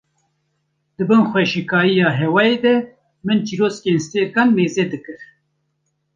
di bin xweşikahiya hêwayê de me çirûskên stêrkan meze dikir